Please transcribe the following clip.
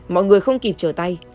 mọi người không kịp chờ tay